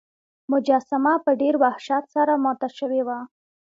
مجسمه په ډیر وحشت سره ماته شوې وه.